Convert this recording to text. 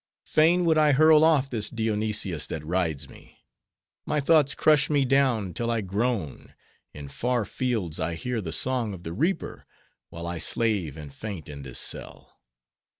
Fain would I hurl off this Dionysius that rides me; my thoughts crush me down till I groan; in far fields I hear the song of the reaper, while I slave and faint in this cell.